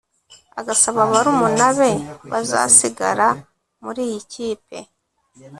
Agasaba barumuna be bazasigara muri iyi kipe